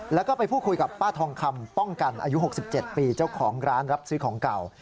แล้วก็ไปพูดคุยกับป้าทองคำป้องกันอายุ๖๗ปีเจ้าของร้านรับซื้อของเก่า